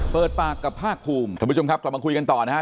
เปิดปากกับภาคภูมิท่านผู้ชมครับกลับมาคุยกันต่อนะฮะ